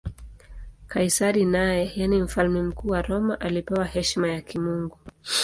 Kaisari naye, yaani Mfalme Mkuu wa Roma, alipewa heshima ya kimungu.